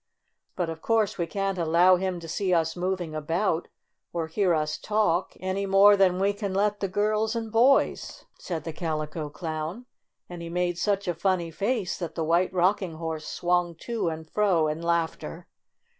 "But of course we can't allow him to see us moving about, or hear us talk, any more than we can let the girls and boys," 40 STORY OF A SAWDUST DOLL said the Calico Clown, and he made such a funny face that the White Rocking Horse swung to and fro in laughter.